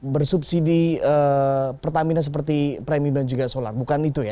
bersubsidi pertamina seperti premium dan juga solar bukan itu ya